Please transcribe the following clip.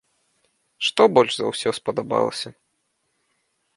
Што больш за ўсё спадабалася?